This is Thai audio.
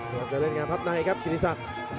อยากจะเล่นงานพับในครับกิติศักดิ์